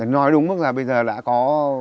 nói đúng mức là bây giờ đã có